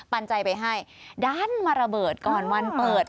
ปันใจไปให้ดันมาระเบิดก่อนวันเปิด